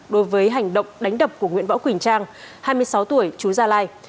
đối với hành động đánh đập của nguyễn võ quỳnh trang hai mươi sáu tuổi chú gia lai